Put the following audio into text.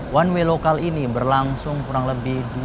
wanwe lokal ini berlangsung kurang lebih dua hingga tiga jam